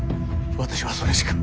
私はそれしか。